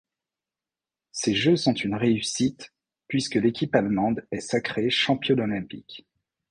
Ces Jeux sont une réussite puisque l'équipe allemande est sacrée Championne olympique.